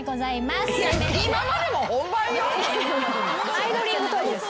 アイドリングトークです。